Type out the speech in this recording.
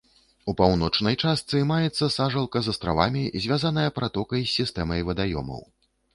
У паўночнай частцы маецца сажалка з астравамі, звязаная пратокай з сістэмай вадаёмаў.